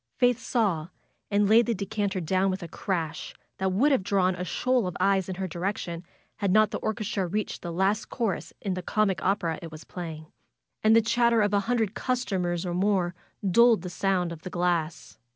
Faith saw, and laid the decanter down with a crash that would have drawn a shoal of eyes in her direction had not the orchestra reached the last chorus in the comic opera it was playing. And the chatter of a hundred customers or more dulled the sound of the glass.